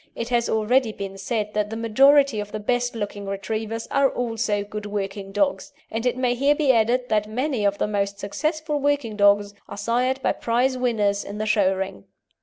It has already been said that the majority of the best looking Retrievers are also good working dogs, and it may here be added that many of the most successful working dogs are sired by prize winners in the show ring.